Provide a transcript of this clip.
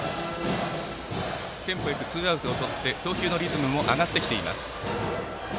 テンポよくツーアウトをとって投球のリズムも上がってきています。